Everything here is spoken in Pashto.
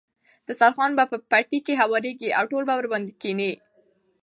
دسترخوان به په پټي کې هوارېږي او ټول به ورباندې کېني.